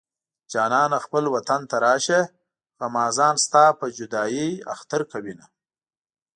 جانانه خپل وطن ته راشه غمازان ستا په جدايۍ اختر کوينه